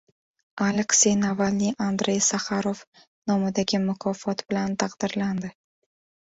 Aleksey Navalniy Andrey Saxarov nomidagi mukofot bilan taqdirlandi